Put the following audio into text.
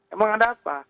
emang ada apa